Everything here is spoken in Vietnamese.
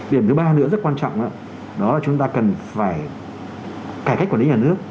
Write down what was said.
điểm thứ ba nữa rất quan trọng đó là chúng ta cần phải cải cách quản lý nhà nước